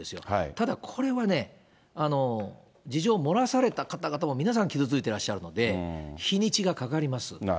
ただこれがね、事情漏らされた方々も皆さん傷ついていらっしゃるので、日にちがかかります。